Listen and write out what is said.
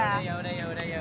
yaudah yaudah yaudah